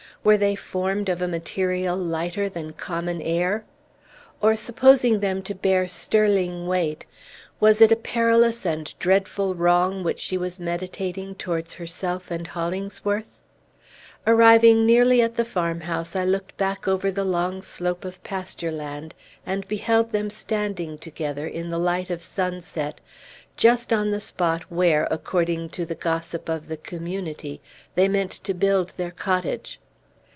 Were they formed of a material lighter than common air? Or, supposing them to bear sterling weight, was it a perilous and dreadful wrong which she was meditating towards herself and Hollingsworth? Arriving nearly at the farmhouse, I looked back over the long slope of pasture land, and beheld them standing together, in the light of sunset, just on the spot where, according to the gossip of the Community, they meant to build their cottage.